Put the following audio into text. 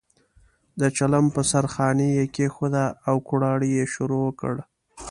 د چلم په سر خانۍ یې کېښوده او کوړاړی یې شروع کړ.